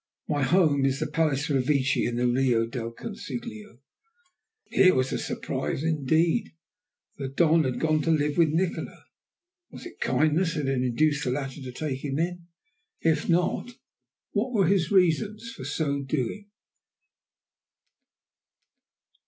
"My home is the Palace Revecce in the Rio del Consiglio." Here was surprise indeed! The Don had gone to live with Nikola. Was it kindness that had induced the latter to take him in? If not, what were his reasons for so doing?